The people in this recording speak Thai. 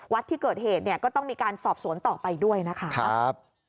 วัดที่เกิดเหตุเนี่ยก็ต้องมีการสอบสวนต่อไปด้วยนะคะ